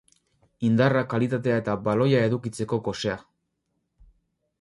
Indarra, kalitatea eta baloia edukitzeko gosea.